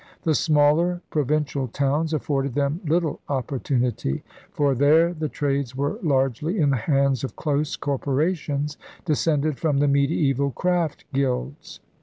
The smaller pro vincial towns afforded them little opportunity, for there the trades were largely in the hands of close corporations descended from the mediaeval craft guilds.